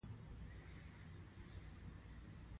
زه د ساده ډوډۍ پخلی خوښوم.